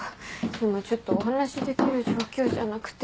今ちょっとお話しできる状況じゃなくて。